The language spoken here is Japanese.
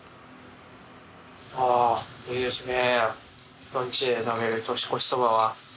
あーいいですね。